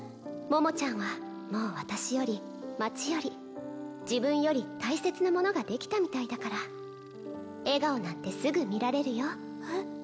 桃ちゃんはもう私より町より自分より大切なものができたみたいだから笑顔なんてすぐ見られるよえっ？